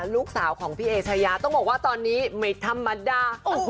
ลูกสาวของพี่เอ์เ฼ียต้องบอกว่าตอนนี้ไม่ธรรมดา